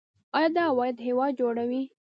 آیا دا عواید هیواد جوړوي؟